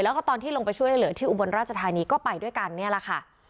แล้วก็ตอนที่ลงไปช่วยเหลือที่อุบลราชธานีก็ไปด้วยกันเนี่ยแหละค่ะ